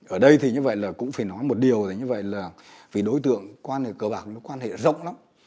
ở đây thì như vậy là cũng phải nói một điều là như vậy là vì đối tượng quan hệ cờ bạc nó quan hệ rộng lắm